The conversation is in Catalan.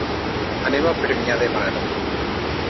Anem a Premià de Mar.